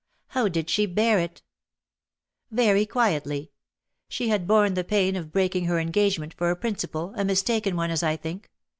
How did she bear it ?*'" Very quietly. She had borne the pain of breaking her engagement for a principle, a mistaken one, as I think.